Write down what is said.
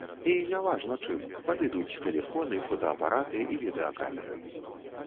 І не важна чым, падыдуць тэлефоны, фотаапараты і відэакамеры.